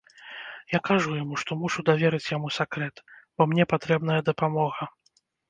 Я кажу яму, што мушу даверыць яму сакрэт, бо мне патрэбная дапамога.